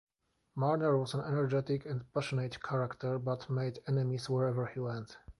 Murner was an energetic and passionate character, but made enemies wherever he went.